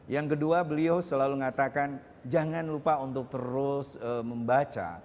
yang kedua beliau selalu mengatakan jangan lupa untuk terus membaca